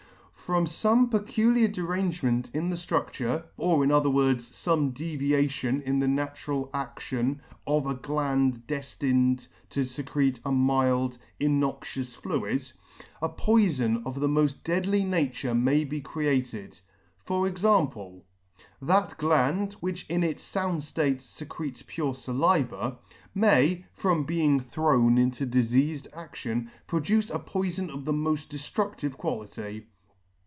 From fome peculiar derangement in the drudure, or, in other words, fome deviation in the natural addon of a gland deffined to fecrete a mild, innoxious fluid, a poifon of the mod deadly nature may be created: for example — That gland, which in its found date fecretes pure faliva, may, from being thrown into difeafed adion, produce a poifon of the mod dedrudive quality.